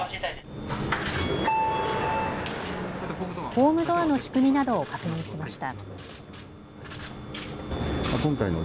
ホームドアの仕組みなどを確認しました。